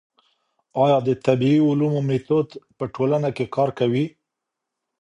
ايا د طبيعي علومو ميتود په ټولنه کي کار کوي؟